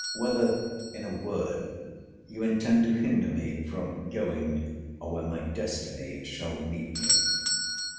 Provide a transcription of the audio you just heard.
Whether, in a word, you intend to hinder me from going where my destiny shall lead me?